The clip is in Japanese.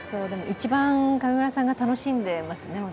一番上村さんが楽しんでいますね。